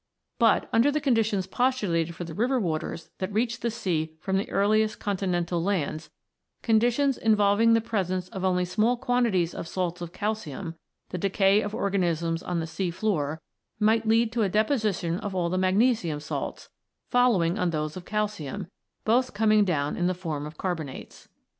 But, under the conditions postulated for the river waters that reached the sea from the earliest con tinental lands, conditions involving the presence of only small quantities of salts of calcium, the decay of organisms on the sea floor might lead to a deposition of all the magnesium salts, following on those of calcium, both coming down in the form of carbonates.